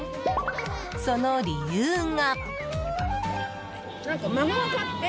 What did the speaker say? その理由が。